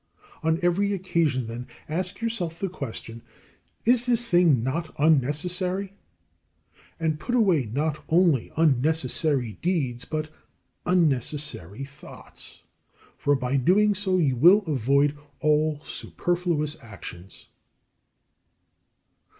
On every occasion, then, ask yourself the question, Is this thing not unnecessary? And put away not only unnecessary deeds but unnecessary thoughts, for by so doing you will avoid all superfluous actions.